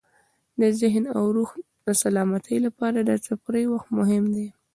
د ذهن او روح د سلامتۍ لپاره د تفریح وخت مهم دی.